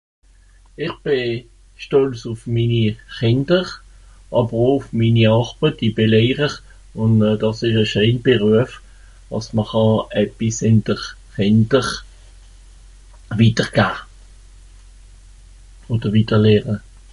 Ìch bì stolz ùf minni Chìnder (...) Lehrer, ùn dàs ìsch e scheen Beruef, àss mr au e bìss ìn de Chìnder wìdder gah. Odder wìdder lehra.